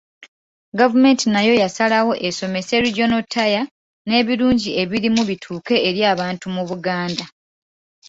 Gavumenti nayo yasalawo esomese Regional Tier n’ebirungi ebirimu bituuke eri abantu mu Buganda.